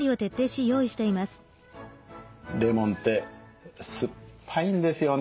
レモンって酸っぱいんですよね。